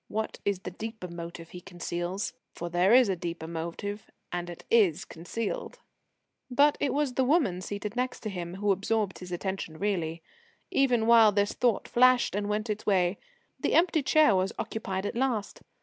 What is the deeper motive he conceals? For there is a deeper motive; and it is concealed." But it was the woman seated next him who absorbed his attention really, even while this thought flashed and went its way. The empty chair was occupied at last.